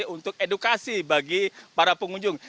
untuk edukasi bagi para pengunjung